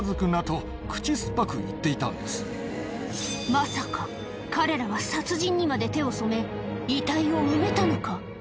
まさか彼らは殺人にまで手を染め遺体を埋めたのか？